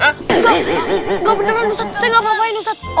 gak beneran ustaz saya gak mau ngapain ustaz